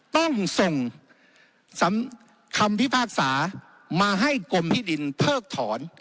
ต้องส่งคำพิพากษามาให้กรมที่ดินเพิกถอน